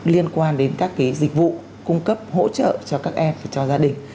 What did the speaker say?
liên quan đến các cái dịch vụ cung cấp hỗ trợ cho các em cho gia đình